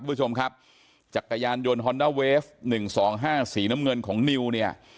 ผู้ชมครับจักรยานยนต์ฮอนด้าเวฟหนึ่งสองห้าสีน้ำเงินของนิวเนี่ย